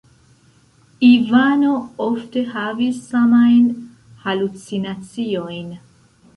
Ivano ofte havis samajn halucinaciojn.